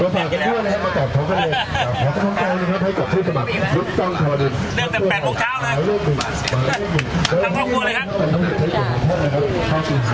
เพราะว่าตลอดระยะเวลา๑๗ปี